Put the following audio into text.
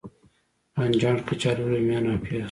بانجان، کچالو، روميان او پیاز